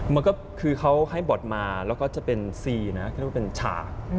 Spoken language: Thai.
มันก็คือเขาให้บทมาแล้วก็จะเป็น๔นะคือเป็นฉาก